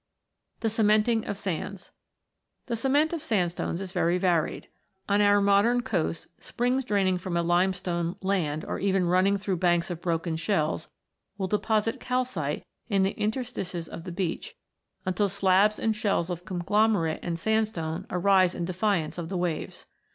THE CEMENTING OF SANDS The cement of sandstones is very varied. On our modern coasts, springs draining from a limestone land, or even running through banks of broken shells, will deposit calcite in the interstices of the beach, until slabs and shelves of conglomerate and sandstone arise in defiance of the waves.